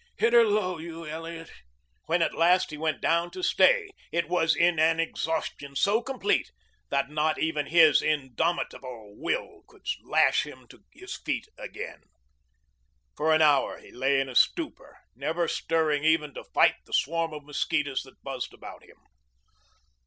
Hit 'er low, you Elliot." When at last he went down to stay it was in an exhaustion so complete that not even his indomitable will could lash him to his feet again. For an hour he lay in a stupor, never stirring even to fight the swarm of mosquitoes that buzzed about him.